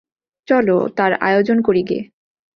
চলো তার আয়োজন করি গে।